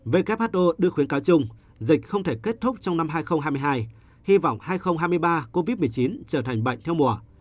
who đưa khuyến cáo chung dịch không thể kết thúc trong năm hai nghìn hai mươi hai hy vọng hai nghìn hai mươi ba covid một mươi chín trở thành bệnh theo mùa